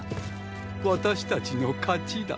私たちの勝ちだ。